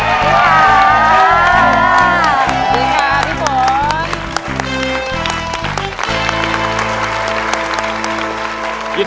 สวัสดีค่ะพี่ฝน